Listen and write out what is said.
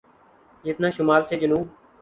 جتنا شمال سے جنوب۔